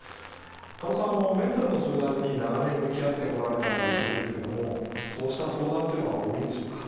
加茂さんメンタルの相談に長年向き合ってこられたということですけどもそうした相談っていうのは多いんでしょうか？